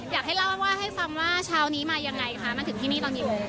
อยากให้เล่าให้ฟังว่าชาวนี้มายังไงค่ะมาถึงที่นี่ตอนนี้